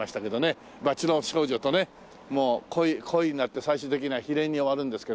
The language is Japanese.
町の少女とねもう懇意になって最終的には悲恋に終わるんですけども。